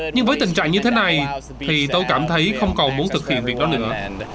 nhưng với tình trạng như thế này thì tôi cảm thấy không còn muốn thực hiện việc đó nữa